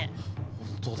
本当だ。